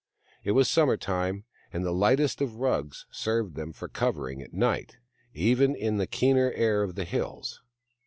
It was summer time, and the lightest of rugs served them for covering at night, even in the keener air of the hills.